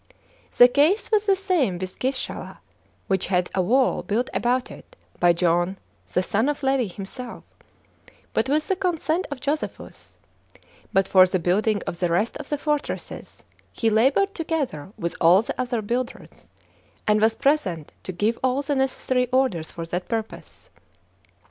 The case was the same with Gischala, which had a wall built about it by John the son of Levi himself, but with the consent of Josephus; but for the building of the rest of the fortresses, he labored together with all the other builders, and was present to give all the necessary orders for that purpose.